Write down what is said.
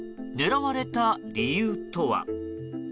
狙われた理由とは。